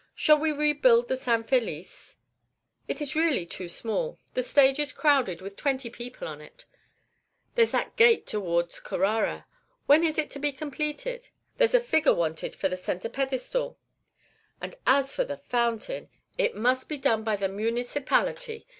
Shall we rebuild the San Felice? It is really too small; the stage is crowded with twenty people on it. There's that gate towards Carrara, when is it to be completed? There's a figure wanted for the centre pedestal. As for the fountain, it must be done by the municipality.